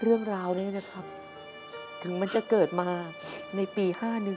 เรื่องราวนี้นะครับถึงมันจะเกิดมาในปี๕๑